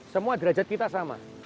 semua derajat kita sama